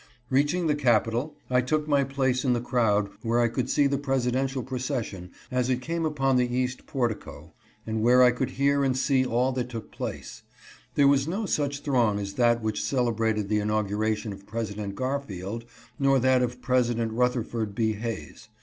Reaching the Capitol, I took my place in the crowd where I could see the presidential procession as it came upon the INAUGUEATION PROCESSION. 441 east portico, and where I could hear and see all that took place. There was no such throng as that which celebra ted the inauguration of President Garfield nor that of President Rutherford B. Hayes.